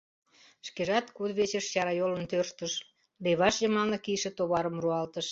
Шкежат кудывечыш чарайолын тӧрштыш, леваш йымалне кийыше товарым руалтыш.